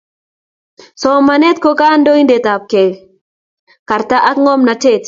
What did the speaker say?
Somanet ko kandeutikap karta ak ngomnotet